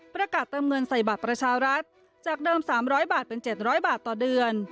ประกาศเติมเงินใส่บัตรประชารัฐจากเดิม๓๐๐บาทเป็น๗๐๐บาทต่อเดือน